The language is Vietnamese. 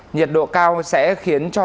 nhiệt độ cao sẽ khiến cho